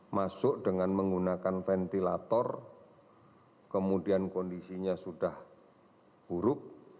masuk dengan menggunakan ventilator kemudian kondisinya sudah buruk